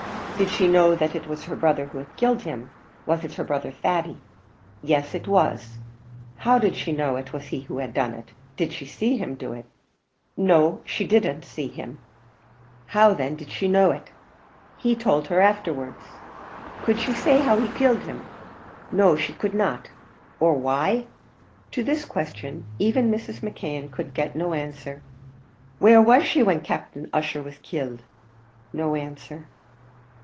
"Did she know that it was her brother who had killed him? Was it her brother Thady?" "Yes, it was." "How did she know it was he who had done it? Did she see him do it?" "No, she didn't see him." "How then did she know it?" "He had told her so afterwards." "Could she say how he killed him?" "No, she could not." "Or why?" To this question even Mrs. McKeon could get no answer. "Where was she when Captain Ussher was killed?" No answer.